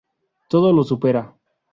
Todo lo supera.